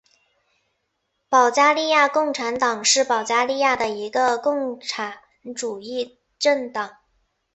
保加利亚共产党是保加利亚的一个共产主义政党。